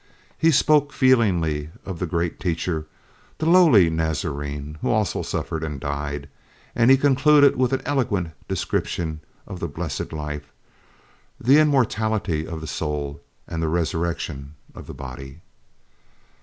He spoke feelingly of the Great Teacher, the lowly Nazarene, who also suffered and died, and he concluded with an eloquent description of the blessed life, the immortality of the soul, and the resurrection of the body.